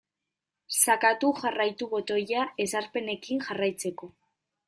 Sakatu jarraitu botoia ezarpenekin jarraitzeko.